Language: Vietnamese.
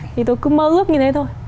thì tôi cứ mơ ước như thế thôi